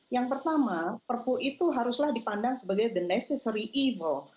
yang pertama perpu itu haruslah dipandang sebagai the necesory eva